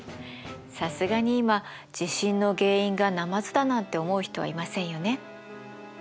さすがに今地震の原因がナマズだなんて思う人はいませんよね。